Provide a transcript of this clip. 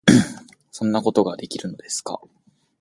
「そんなことができるのですか？」